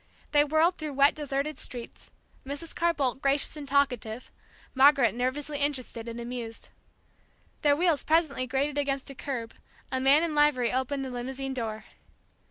They whirled through wet deserted streets; Mrs. Carr Boldt gracious and talkative, Margaret nervously interested and amused. Their wheels presently grated against a curb, a man in livery opened the limousine door.